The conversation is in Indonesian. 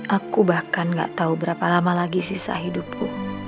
aku bahkan gak tahu berapa lama lagi sisa hidupku